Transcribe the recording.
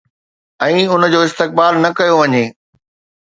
۽ ان جو استقبال نه ڪيو وڃي.